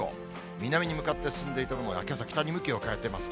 南に向かって進んでいたのがけさ、北に向きを変えています。